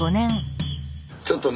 ちょっとね